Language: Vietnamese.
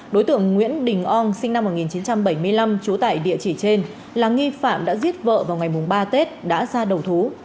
đối tượng nguyễn đình ong sinh năm một nghìn chín trăm bảy mươi năm trú tại địa chỉ trên là nghi phạm đã giết vợ vào ngày ba tết đã ra đầu thú